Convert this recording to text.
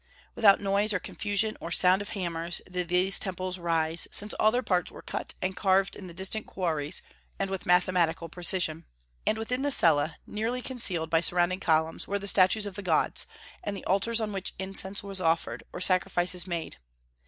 Without noise or confusion or sound of hammers did those temples rise, since all their parts were cut and carved in the distant quarries, and with mathematical precision. And within the cella, nearly concealed by surrounding columns, were the statues of the gods, and the altars on which incense was offered, or sacrifices made.